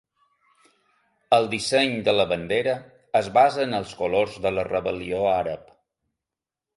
El disseny de la bandera es basa en els colors de la rebel·lió àrab.